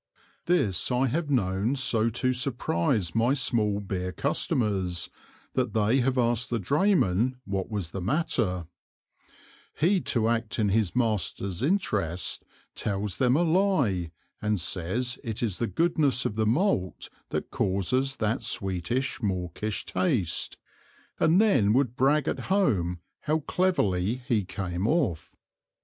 This I have known so to surprize my small Beer Customers, that they have asked the Drayman what was the matter: He to act in his Master's Interest tells them a Lye, and says it is the goodness of the Malt that causes that sweetish mawkish taste, and then would brag at Home how cleverly he came off.